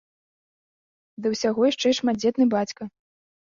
Да ўсяго, яшчэ і шматдзетны бацька.